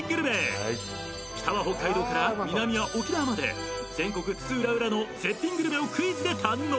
［北は北海道から南は沖縄まで全国津々浦々の絶品グルメをクイズで堪能］